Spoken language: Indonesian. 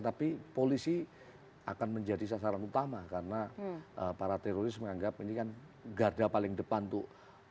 tapi polisi akan menjadi sasaran utama karena para teroris menganggap ini kan garda paling depan untuk